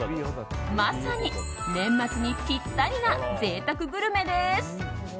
まさに、年末にピッタリな贅沢グルメです。